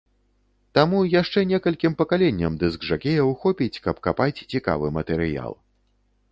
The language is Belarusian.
Таму яшчэ некалькім пакаленням дыск-жакеяў хопіць, каб капаць цікавы матэрыял.